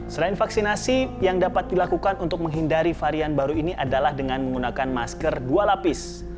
selain vaksinasi yang dapat dilakukan untuk menghindari varian baru ini adalah dengan menggunakan masker dua lapis